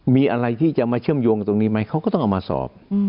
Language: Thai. มีอะไรที่จะมาเชื่อมโยงตรงนี้ไหมเขาก็ต้องเอามาสอบ